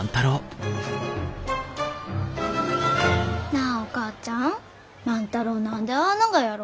なあお母ちゃん万太郎何でああながやろ？